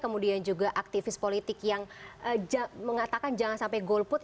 kemudian juga aktivis politik yang mengatakan jangan sampai golput